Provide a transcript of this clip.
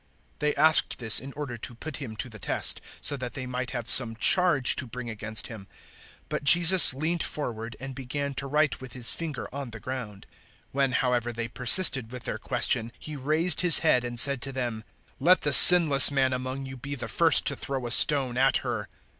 008:006 They asked this in order to put Him to the test, so that they might have some charge to bring against Him. But Jesus leant forward and began to write with His finger on the ground. 008:007 When however they persisted with their question, He raised His head and said to them, "Let the sinless man among you be the first to throw a stone at her."